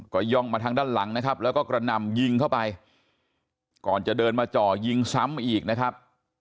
ก็ย่องมาทางด้านหลังนะครับแล้วก็กระหน่ำยิงเข้าไปก่อนจะเดินมาจ่อยิงซ้ำอีกนะครับ